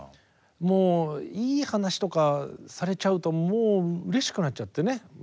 もういい話とかされちゃうともううれしくなっちゃってね。